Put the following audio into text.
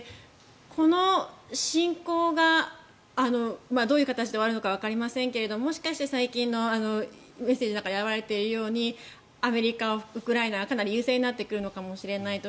この侵攻がどういう形で終わるのかわかりませんがもしかして最近のメッセージでいわれているようにアメリカはウクライナがかなり優勢になってくるかもしれないと。